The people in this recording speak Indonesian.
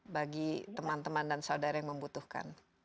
bagi teman teman dan saudara yang membutuhkan